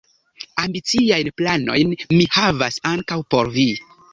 Ambiciajn planojn mi havas ankaŭ por vi.